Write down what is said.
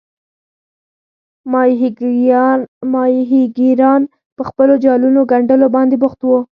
ماهیګیران پر خپلو جالونو ګنډلو باندې بوخت وو.